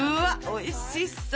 おいしそう！